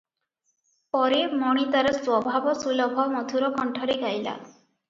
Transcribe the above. ପରେ ମଣି ତାର ସ୍ୱଭାବସୁଲଭ ମଧୁର କଣ୍ଠରେ ଗାଇଲା-